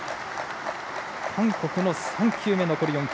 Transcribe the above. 韓国の３球目、残り４球。